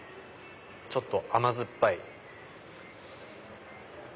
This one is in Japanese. ちょっと甘酸っぱい。